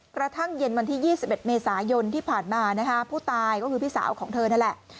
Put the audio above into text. กระทั่งเย็นวันที่๒๑เมษายนที่ผ่านมานะคะผู้ตายก็คือพี่สาวของเธอนั่นแหละ